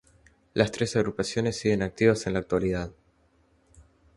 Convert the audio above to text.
Las tres agrupaciones siguen activas en la actualidad.